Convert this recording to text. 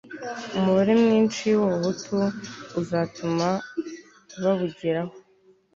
umubare mwinshi w'abahutu utazatuma babugeraho